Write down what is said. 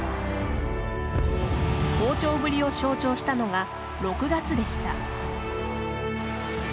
好調ぶりを象徴したのが６月でした。